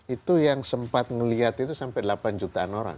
itu yang sempat melihat itu sampai delapan jutaan orang